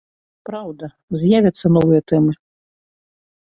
Праўда, з'явяцца новыя тэмы.